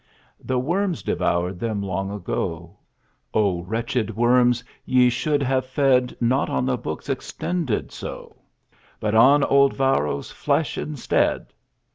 The worms devoured them long ago O wretched worms! ye should have fed Not on the books "extended" so, But on old Varro's flesh instead!